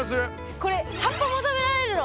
これ葉っぱも食べられるの。